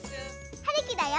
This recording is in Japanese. はるきだよ。